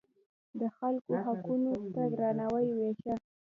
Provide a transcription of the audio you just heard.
د خلکو حقونو ته درناوی وښیه.